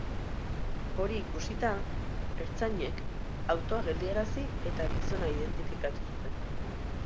Hori ikusita, ertzainek autoa geldiarazi eta gizona identifikatu zuten.